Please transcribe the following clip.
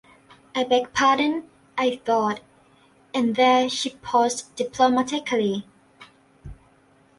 "I beg pardon; I thought —" and there she paused diplomatically.